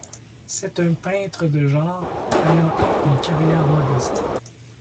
C'est un peintre de genre ayant eu une carrière modeste.